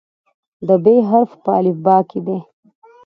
د "ب" حرف په الفبا کې دی.